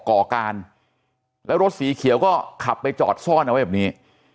ก่อการแล้วรถสีเขียวก็ขับไปจอดซ่อนเอาไว้แบบนี้